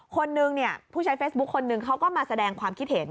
คนนึงเนี่ยผู้ใช้เฟซบุ๊คคนนึงเขาก็มาแสดงความคิดเห็น